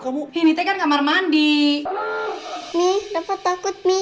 aduh ketauan aku